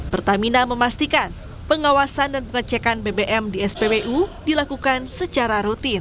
pertamina memastikan pengawasan dan pengecekan bbm di spbu dilakukan secara rutin